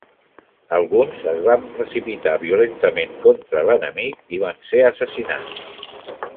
Alguns es va precipitar violentament contra l'enemic i van ser assassinats.